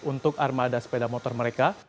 untuk armada sepeda motor mereka